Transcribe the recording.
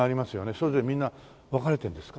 それぞれみんな分かれてるんですか？